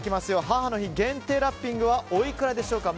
母の日限定ラッピングはおいくらでしょうか。